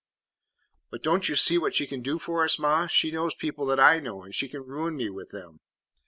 "But don't you see what she can do for us, ma? She knows people that I know, and she can ruin me with them."